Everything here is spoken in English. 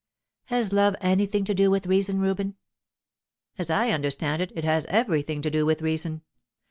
"Has love anything to do with reason, Reuben?" "As I understand it, it has everything to do with reason.